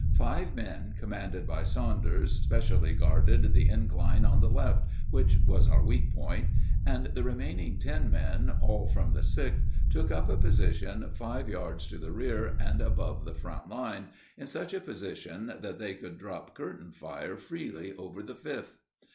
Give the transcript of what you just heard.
Five men, commanded by Saunders, specially guarded the incline on the left, which was our weak spot, and the remaining ten men, all from the Sixth, took up a position five yards to the rear and above the front line, in such a position that they could drop curtain fire freely over the Fifth.